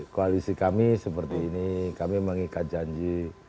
koalisi kami seperti ini kami mengikat janji